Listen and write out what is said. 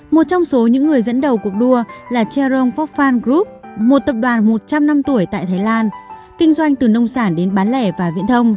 một trong số những người dẫn đầu cuộc đua là cherong phokphan group một tập đoàn một trăm linh năm tuổi tại thái lan kinh doanh từ nông sản đến bán lẻ và viễn thông